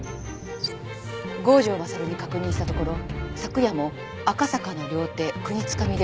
郷城勝に確認したところ昨夜も赤坂の料亭で国会議員と会食。